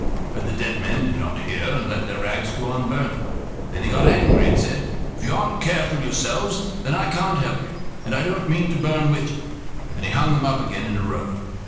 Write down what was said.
But the dead men did not hear and let their rags go on burning. Then he got angry, and said: "If you aren't careful yourselves, then I can't help you, and I don't mean to burn with you"; and he hung them up again in a row.